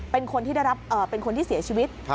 เป็นคนที่เสียชีวิต